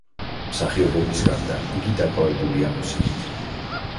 მსახიობობის გარდა, იგი დაკავებულია მუსიკით.